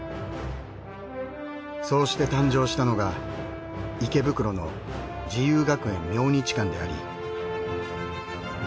そうして誕生したのが池袋の『自由学園明日館』であり。